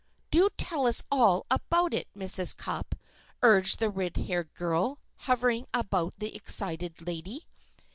"Do tell us all about it, Mrs. Cupp," urged the red haired girl, hovering about the excited lady.